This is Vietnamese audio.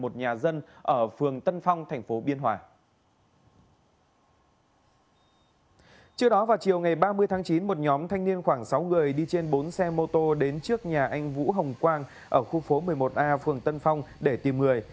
trước đó vào chiều ngày ba mươi tháng chín một nhóm thanh niên khoảng sáu người đi trên bốn xe mô tô đến trước nhà anh vũ hồng quang ở khu phố một mươi một a phường tân phong để tìm người